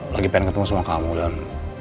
lagi pengen ketemu sama kamu dan